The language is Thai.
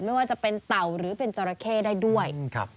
ไม่ว่าจะเป็นเต่าหรือเป็นจราเข้ได้ด้วย